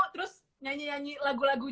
terus nyanyi nyanyi lagu lagunya